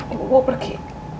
ibu mau pergi